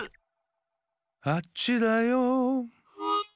あっちだよ。